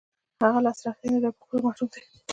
هغه لاسرسی نلري او په خپله محروم دی.